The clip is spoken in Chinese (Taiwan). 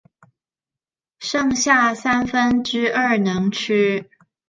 剩下三分之二能吃